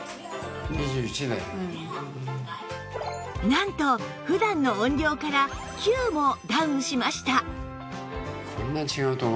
なんと普段の音量から９もダウンしました